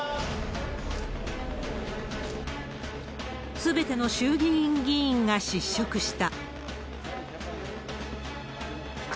すべての衆議院議員が失職した。